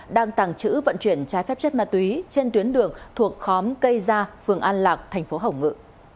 đang tàng trữ vận chuyển trái phép chất ma túy trên tuyến đường thuộc khóm cây gia phường an lạc thành phố hồng ngự